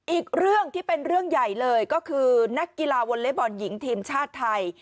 อีกเรื่องที่เป็นเรื่องใหญ่เลยก็คือนักกีฬาวอลเล็บบอลหญิงทีมชาติไทย